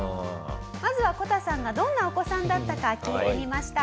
まずはこたさんがどんなお子さんだったか聞いてみました。